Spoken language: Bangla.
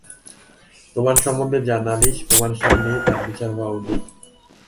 তোমার সম্বন্ধে যা নালিশ তোমার সামনেই তার বিচার হওয়া উচিত।